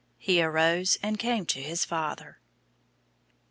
"HE AROSE AND CAME TO HIS FATHER."